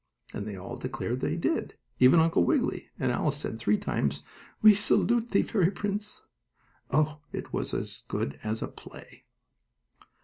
And they all declared they did, even Uncle Wiggily, and Alice said three times: "We salute thee, fairy prince." Oh, it was as good as a play!